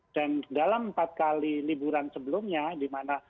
dan dalam empat kali liburan sebelumnya di mana